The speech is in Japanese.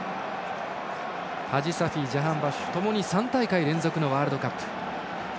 ハジサフィ、ジャハンバフシュともに３大会連続のワールドカップ。